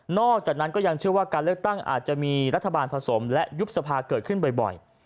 จากนั้นก็ยังเชื่อว่าการเลือกตั้งอาจจะมีรัฐบาลผสมและยุบสภาเกิดขึ้นบ่อย